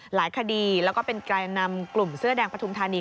หลายคดีแล้วก็เป็นแกนนำกลุ่มเสื้อแดงปฐุมธานี